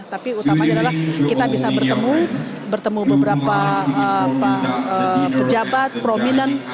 tapi utamanya adalah kita bisa bertemu bertemu beberapa pejabat prominent